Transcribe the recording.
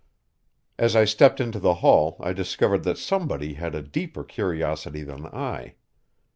As I stepped into the hall I discovered that somebody had a deeper curiosity than I.